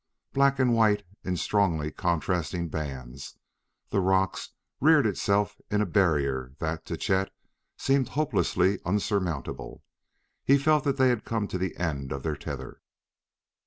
Black and white in strongly contrasting bands, the rock reared itself in a barrier that, to Chet, seemed hopelessly unsurmountable. He felt that they had come to the end of their tether.